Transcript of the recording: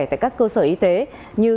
tại các cơ sở y tế như